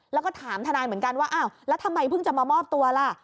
แล้วก็ถามทนายเหมือนกันว่าอ้าวแล้วทำไมเพิ่งจะมามอบตัวล่ะ